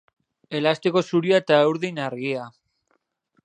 Elastiko zuria eta urdin argia.